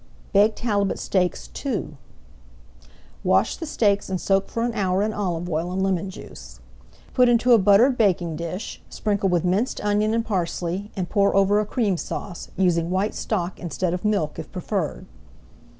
BAKED HALIBUT STEAKS II Wash the steaks and soak for an hour in olive oil and lemon juice. Put into a buttered baking dish, sprinkle with minced onion and parsley, and pour over a Cream Sauce, using white stock instead of milk, if preferred.